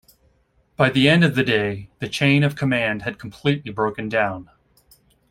By the end of the day, the chain of command had completely broken down.